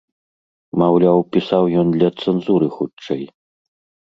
Маўляў, пісаў ён для цэнзуры хутчэй.